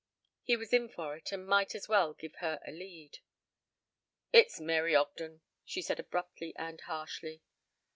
He was in for it and might as well give her a lead. "It's Mary Ogden," she said abruptly and harshly.